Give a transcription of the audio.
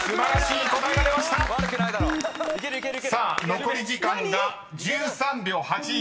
［さあ残り時間が１３秒８１］